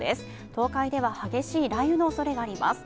東海では激しい雷雨のおそれがあります。